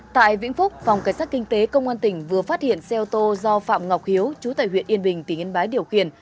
tại vĩnh phúc phòng cảnh sát kinh tế công an tỉnh vừa phát hiện xe ô tô do phạm ngọc hiếu chú tại huyện yên bình tỉnh yên bái điều khiển